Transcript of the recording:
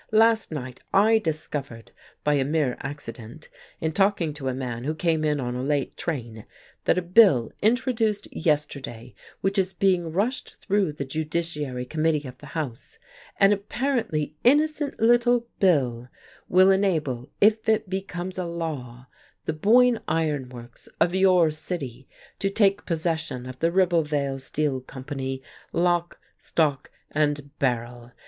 "Last night I discovered by a mere accident, in talking to a man who came in on a late train, that a bill introduced yesterday, which is being rushed through the Judiciary Committee of the House an apparently innocent little bill will enable, if it becomes a law, the Boyne Iron Works, of your city, to take possession of the Ribblevale Steel Company, lock, stock, and barrel.